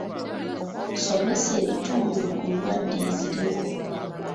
Somesa ebitundu ku ndwadde eziriwo.